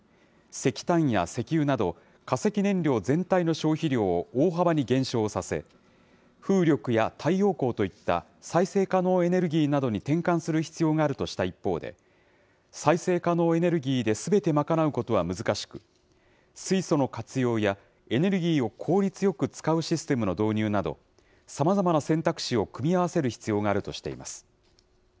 石炭や石油など、化石燃料全体の消費量を大幅に減少させ、風力や太陽光といった再生可能エネルギーなどに転換する必要があるとした一方で、再生可能エネルギーですべて賄うことは難しく、水素の活用や、エネルギーを効率よく使うシステムの導入など、さまざまな選択肢を組み合わせる必要があるとしています。